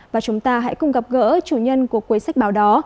và chúng ta hãy cùng gặp gỡ chủ nhân của cuốn sách báo đó